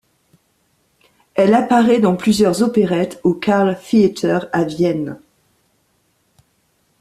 Elle apparaît dans plusieurs opérettes au Carltheater à Vienne.